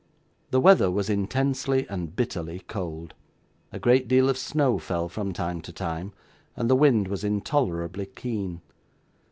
The weather was intensely and bitterly cold; a great deal of snow fell from time to time; and the wind was intolerably keen.